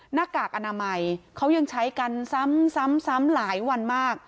หน้ากากอนามัยเขายังใช้กันซ้ำหลายวันมาก